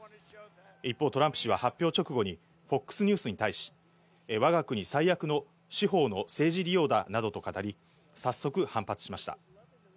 一方、トランプ氏は発表直後に、ＦＯＸニュースに対し、わが国最悪の司法の政治利用だなどと語り、早速、反発しました。